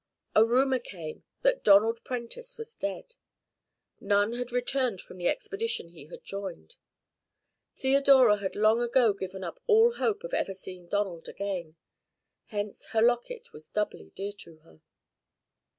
A rumour came that Donald Prentice was dead. None had returned from the expedition he had joined. Theodora had long ago given up all hope of ever seeing Donald again. Hence her locket was doubly dear to her.